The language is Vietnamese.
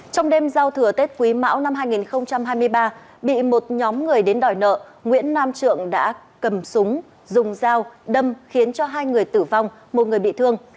trong đêm giao thừa tết quý mão năm hai nghìn hai mươi ba bị một nhóm người đến đòi nợ nguyễn nam trượng đã cầm súng dùng dao đâm khiến hai người tử vong một người bị thương